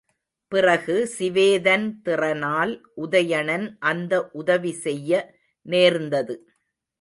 பிறகு சிவேதன் திறனால் உதயணன் அந்த உதவி செய்ய நேர்ந்தது.